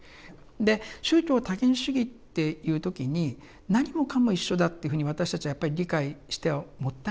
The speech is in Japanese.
で宗教多元主義っていう時に何もかも一緒だっていうふうに私たちはやっぱり理解してはもったいない。